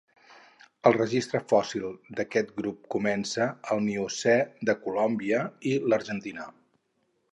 El registre fòssil d'aquest grup comença al Miocè de Colòmbia i l'Argentina.